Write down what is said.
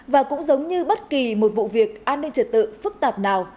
và cũng giống như bất kỳ một vụ việc an ninh trật tự phức tạp nào